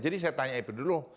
jadi saya tanya itu dulu